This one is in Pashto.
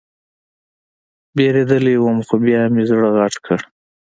وېرېدلى وم خو بيا مې زړه غټ کړ.